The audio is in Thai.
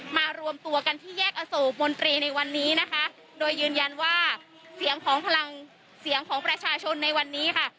มารวมตัวกันที่แยกอโศกมนตรีในวันนี้นะคะโดยยืนยันว่าเสียงของพลังเสียงของประชาชนในวันนี้ค่ะ